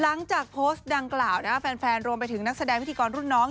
หลังจากโพสต์ดังกล่าวแฟนรวมไปถึงนักแสดงพิธีกรรุ่นน้อง